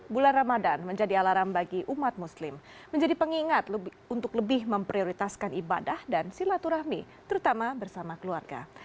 bulan ramadan menjadi alarm bagi umat muslim menjadi pengingat untuk lebih memprioritaskan ibadah dan silaturahmi terutama bersama keluarga